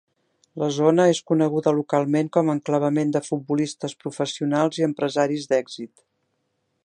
La zona és coneguda localment com a enclavament de futbolistes professionals i empresaris d'èxit.